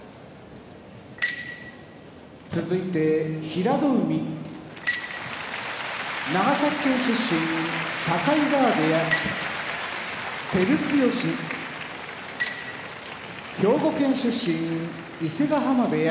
平戸海長崎県出身境川部屋照強兵庫県出身伊勢ヶ濱部屋